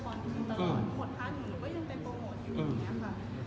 หดพัดหนูหนูก็ยังไปโปรโมทอยู่อย่างนี้ค่ะ